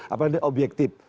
apakah ini objektif